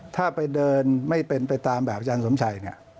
ถ้าไปเดินไม่เป็นไปตามแบบอาจารย์สมชัยเนี่ย